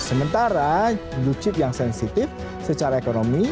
sementara blue chip yang sensitif secara ekonomi